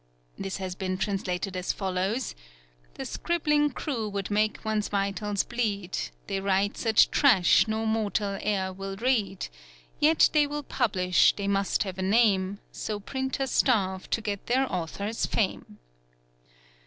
'" This has been translated as follows: "The scribbling crew would make one's vitals bleed, They write such trash, no mortal e'er will read; Yet they will publish, they must have a name; So Printers starve, to get their authors fame."